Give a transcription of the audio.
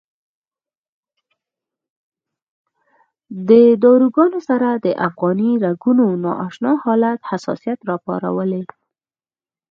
د داروګانو سره د افغاني رګونو نا اشنا حالت حساسیت راپارولی.